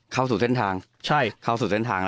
เข้าสู่เส้นทาง